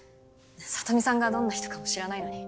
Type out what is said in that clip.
サトミさんがどんな人かも知らないのに。